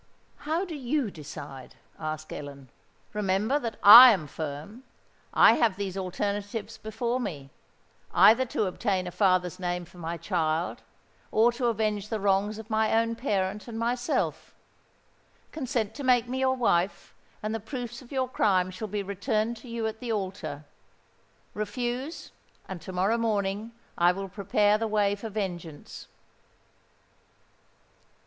"How do you decide?" asked Ellen. "Remember that I am firm. I have these alternatives before me—either to obtain a father's name for my child, or to avenge the wrongs of my own parent and myself. Consent to make me your wife, and the proofs of your crime shall be returned to you at the altar: refuse, and to morrow morning I will prepare the way for vengeance."